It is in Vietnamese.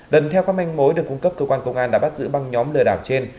lần theo các manh mối được cung cấp cơ quan công an đã bắt giữ băng nhóm lừa đảo trên